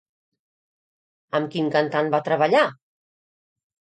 Amb quin cantant va treballar?